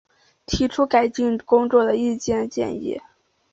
提出改进工作的意见建议